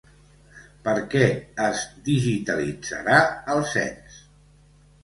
Per què es digitalitzarà el cens?